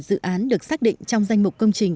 dự án được xác định trong danh mục công trình